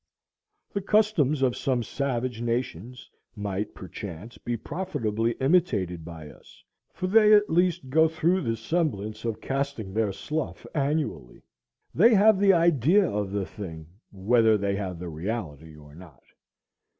The customs of some savage nations might, perchance, be profitably imitated by us, for they at least go through the semblance of casting their slough annually; they have the idea of the thing, whether they have the reality or not.